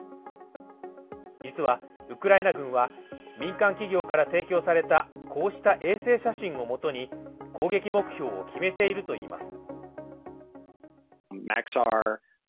実はウクライナ軍は民間企業から提供されたこうした衛星写真をもとに攻撃目標を決めているといいます。